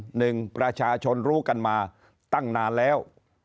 หนึ่งประชาชนรู้กันมาตั้งนานแล้ว